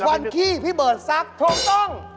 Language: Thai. วันขี้พี่เบิร์ดซักถูกต้อง